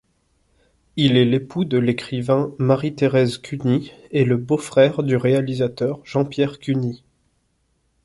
Il est l'époux de l’écrivain Marie-Thérèse Cuny et le beau-frère du réalisateur Jean-Pierre Cuny.